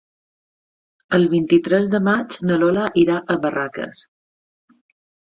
El vint-i-tres de maig na Lola irà a Barraques.